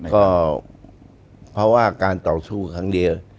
ก็เพราะว่าการต่อสู้ครั้งเดียว